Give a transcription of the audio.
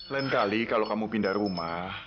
lain kali kalau kamu pindah rumah